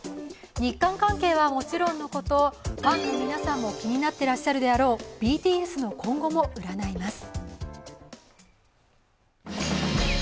日韓関係はもちろんのこと、ファンの皆さんも気になっているであろうＢＴＳの今後も占います。